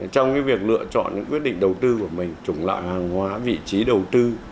trong việc lựa chọn những quyết định đầu tư của mình trùng lại hàng hóa vị trí đầu tư